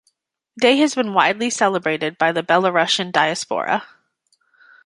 The day has been widely celebrated by the Belarusian diaspora.